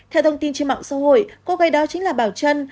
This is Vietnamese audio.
theo thông tin trên mạng xã hội cô gái đó chính là bảo trân